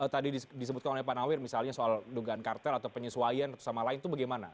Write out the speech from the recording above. tadi disebutkan oleh pak nawir misalnya soal dugaan kartel atau penyesuaian sama lain itu bagaimana